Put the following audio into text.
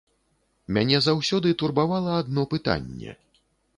Мяне заўсёды турбавала адно пытанне.